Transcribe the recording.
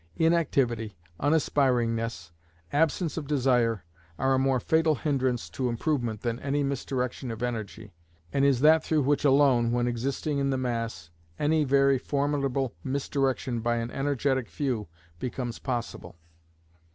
Inactivity, unaspiringness, absence of desire, are a more fatal hindrance to improvement than any misdirection of energy, and is that through which alone, when existing in the mass, any very formidable misdirection by an energetic few becomes possible.